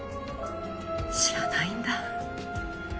知らないんだ。